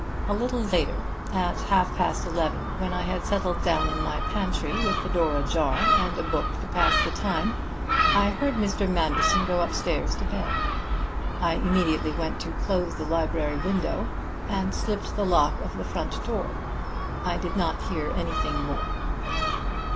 A little later, at half past eleven, when I had settled down in my pantry with the door ajar, and a book to pass the time, I heard Mr. Manderson go upstairs to bed. I immediately went to close the library window, and slipped the lock of the front door. I did not hear anything more."